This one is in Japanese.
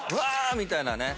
みたいなね。